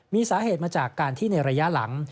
มีสาเหตุมาจากการที่ในระยะหลัง